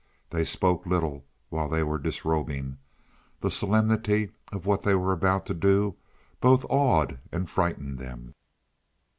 They spoke little while they were disrobing; the solemnity of what they were about to do both awed and frightened them.